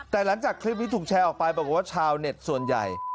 แต่หลังจากคลิปนี้ถูกแชร์ออกไปปรากฏว่าชาวเน็ตส่วนใหญ่